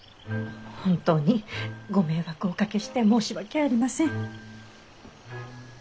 本当にご迷惑をおかけして申し訳ありません。